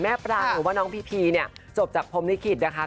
แม่ปลางหรือว่าน้องพีพีจบจากพรมนิกิจนะคะ